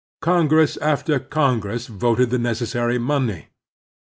Congress after Congress voted the necessary money.